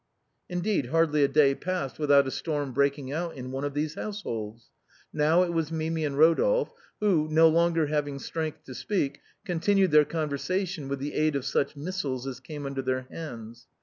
Indeed, hardly a day passed without a storm breaking out in one of these households. Now it was Mimi and Ro dolphe who, no longer liaving strength to speak, continued their conversation with the aid of such missiles as came under their hands.